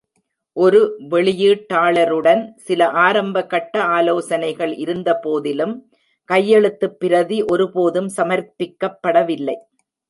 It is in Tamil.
ஒரு வெளியீட்டாளருடன் சில ஆரம்பகட்ட ஆலோசனைகள் இருந்தபோதிலும், கையெழுத்துப் பிரதி ஒருபோதும் சமர்ப்பிக்கப்படவில்லை.